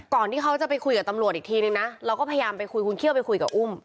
ที่เขาจะไปคุยกับตำรวจอีกทีนึงนะเราก็พยายามไปคุยคุณเขี้ยวไปคุยกับอุ้ม